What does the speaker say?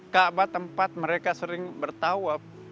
kaabah tempat mereka sering bertawaf